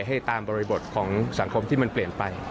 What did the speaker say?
ให้ตามบริบทของสังคมที่มันเปลี่ยนไป